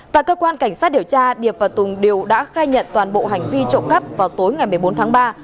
tại cơ quan cảnh sát điều tra điệp và tùng đều đã khai nhận toàn bộ hành vi trộm cắp vào tối ngày một mươi bốn tháng ba